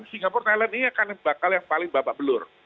singapura thailand ini akan bakal yang paling babak belur